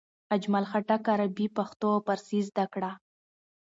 اجمل خټک عربي، پښتو او فارسي زده کړه.